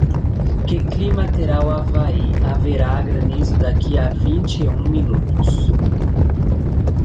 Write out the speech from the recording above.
Que clima terá o Havai Haverá granizo daqui a vinte e um minutos